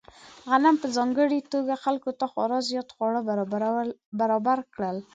غنم په ځانګړې توګه خلکو ته خورا زیات خواړه برابر کړل.